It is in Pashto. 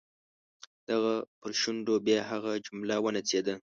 د هغه پر شونډو بیا هغه جمله ونڅېده.